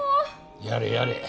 やれやれ。